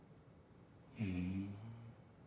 ふん。